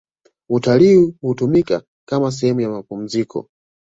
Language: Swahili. utalii hutumika kama sehemu ya mapumziko